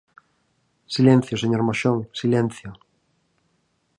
Silencio, señor Moxón, silencio.